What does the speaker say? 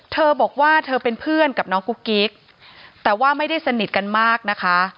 เธอบอกว่าเธอเป็นเพื่อนกับน้องกุ๊กกิ๊กแต่ว่าไม่ได้สนิทกันมากนะคะ